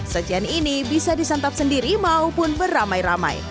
sajian ini bisa disantap sendiri maupun beramai ramai